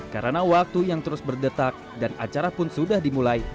karena waktu yang terus berdetak dan acara pun sudah dimulai